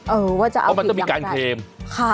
เออว่าจะเอาผิดยังไงมันต้องมีการเคลมค่ะ